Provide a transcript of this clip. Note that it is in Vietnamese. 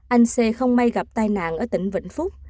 anh xê không may gặp tai nạn ở tỉnh vĩnh phúc